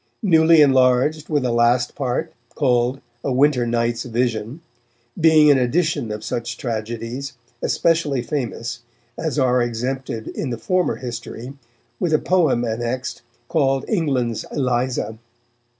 Newly enlarged with a last part, called_ A WINTER NIGHTS VISION, _being an addition of such Tragedies, especially famous, as are exempted in the former Historie, with a Poem annexed, called_ ENGLAND'S ELIZA.